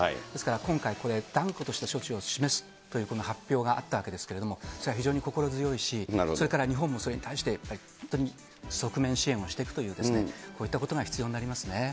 ですから、今回、断固とした措置を示すという発表があったわけですけれども、それは非常に心強いし、それから日本もそれに対してやっぱり本当に側面支援をしていくということですね、こういったことが必要になりますね。